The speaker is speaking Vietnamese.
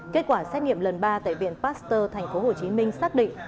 kết quả xét nghiệm lần ba tại viện pasteur thành phố hồ chí minh xác định